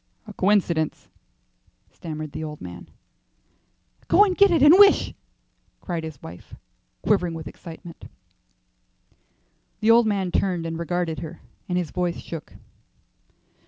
"A coincidence," stammered the old man. "Go and get it and wish," cried his wife, quivering with excitement. The old man turned and regarded her, and his voice shook.